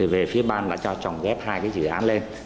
về phía ban đã cho trồng ghép hai cái dự án lên